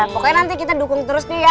pokoknya nanti kita dukung terus nih ya